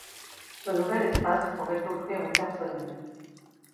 Ce nouvel espace pourrait offrir au personnel.